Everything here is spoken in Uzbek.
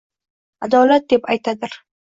Adolat deb aytadir.